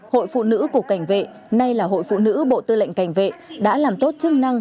hội phụ nữ cục cảnh vệ nay là hội phụ nữ bộ tư lệnh cảnh vệ đã làm tốt chức năng